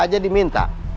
apa aja diminta